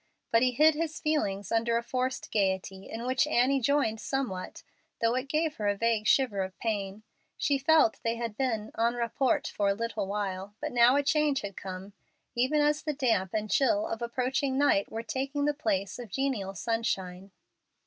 But he hid his feelings under a forced gayety, in which Annie joined somewhat, though it gave her a vague shiver of pain. She felt they had been en rapport for a little while, but now a change had come, even as the damp and chill of approaching night were taking the place of genial sunshine.